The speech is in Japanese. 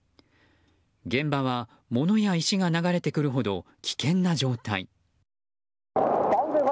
現場は物や石が流れてくるほど危険な状態。